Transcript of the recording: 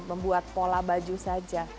membuat pola baju saja